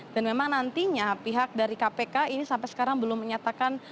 dan memang nantinya pihak dari kpk ini sampai sekarang belum menyatakan